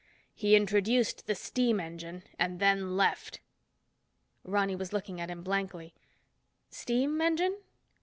"He introduced the steam engine, and then left." Ronny was looking at him blankly. "Steam engine?"